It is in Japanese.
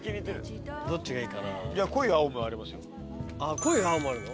濃い青もあるの？